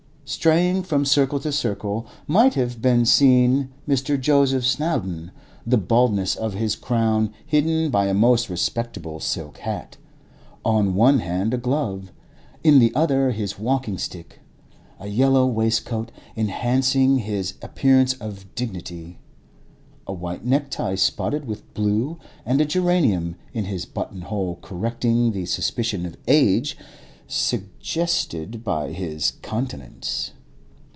Straying from circle to circle might have been seen Mr. Joseph Snowdon, the baldness of his crown hidden by a most respectable silk hat, on one hand a glove, in the other his walking stick, a yellow waistcoat enhancing his appearance of dignity, a white necktie spotted with blue and a geranium in his button hole correcting the suspicion of age suggested by his countenance.